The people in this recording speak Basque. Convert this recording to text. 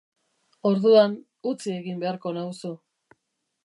Orduan, utzi egin beharko nauzu.